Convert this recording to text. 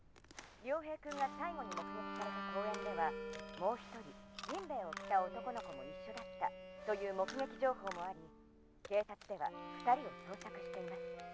遼平くんが最後にもくげきされた公園ではもう一人じんべいを着た男の子もいっしょだったというもくげき情報もあり警察では２人をそうさくしています」。